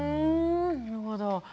なるほど。